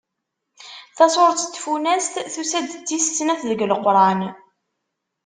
Tasuret n Tfunast tusa-d d tis snat deg Leqran.